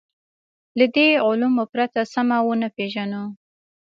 له دې علومو پرته سمه ونه پېژنو.